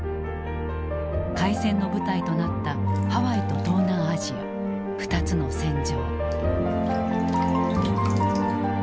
開戦の舞台となったハワイと東南アジア２つの戦場。